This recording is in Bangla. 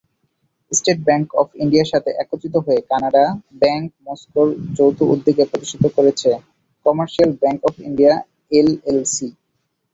স্টেট ব্যাঙ্ক অফ ইন্ডিয়ার সাথে একত্রিত হয়ে কানাড়া ব্যাঙ্ক মস্কোয় যৌথ উদ্যোগে প্রতিষ্ঠিত করেছে, commercial bank of India LLC.